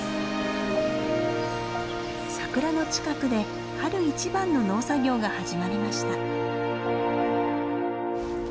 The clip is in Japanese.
サクラの近くで春一番の農作業が始まりました。